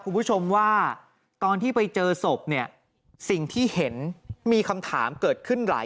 หลังจากพบศพผู้หญิงปริศนาตายตรงนี้ครับ